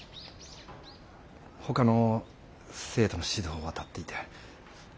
ほかの生徒の指導に当たっていて。